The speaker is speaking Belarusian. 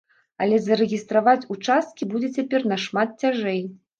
Але зарэгістраваць участкі будзе цяпер нашмат цяжэй.